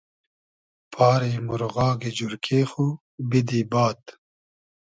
پاری مورغاگی جورکې خو بیدی باد